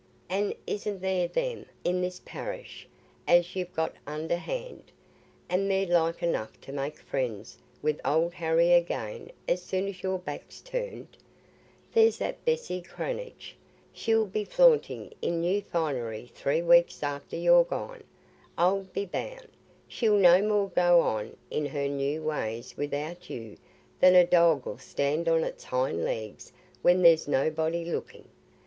An' isn't there them i' this parish as you've got under hand, and they're like enough to make friends wi' Old Harry again as soon as your back's turned? There's that Bessy Cranage—she'll be flaunting i' new finery three weeks after you're gone, I'll be bound. She'll no more go on in her new ways without you than a dog 'ull stand on its hind legs when there's nobody looking.